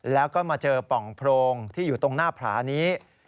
แล้วก็มาเจอปล่องโพรงที่อยู่ตรงหน้าผานี้